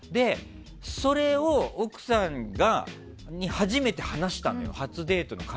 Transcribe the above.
それを奥さんに初めて話したのよ